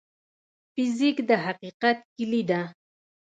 فزیک د حقیقت کلي ده.